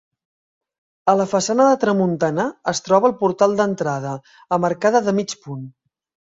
A la façana de tramuntana es troba el portal d'entrada, amb arcada de mig punt.